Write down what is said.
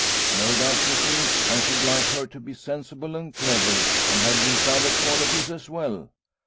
No doubt you think I should like her to be sensible and clever, and have these other qualities as well.